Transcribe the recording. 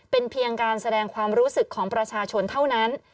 เป็นเพียงการแสดงความรู้สึกของประชาชนเท่านั้น